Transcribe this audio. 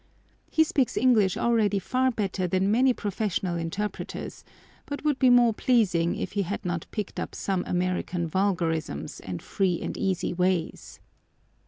He speaks English already far better than many professional interpreters, but would be more pleasing if he had not picked up some American vulgarisms and free and easy ways.